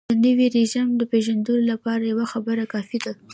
د نوي رژیم د پېژندلو لپاره یوه خبره کافي ده.